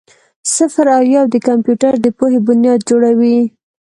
صفر او یو د کمپیوټر د پوهې بنیاد جوړوي.